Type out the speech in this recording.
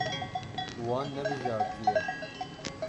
Wan nebijartiye.